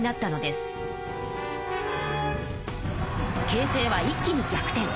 形勢は一気に逆転。